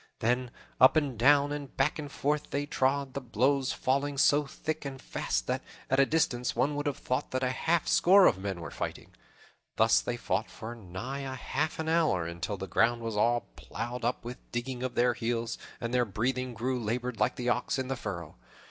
Then up and down and back and forth they trod, the blows falling so thick and fast that, at a distance, one would have thought that half a score of men were fighting. Thus they fought for nigh a half an hour, until the ground was all plowed up with the digging of their heels, and their breathing grew labored like the ox in the furrow.